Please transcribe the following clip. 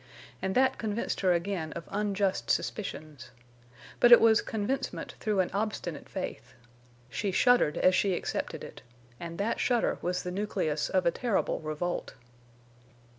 And that convinced her again of unjust suspicions. But it was convincement through an obstinate faith. She shuddered as she accepted it, and that shudder was the nucleus of a terrible revolt.